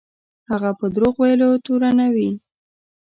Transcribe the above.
هغه په دروغ ویلو تورنوي.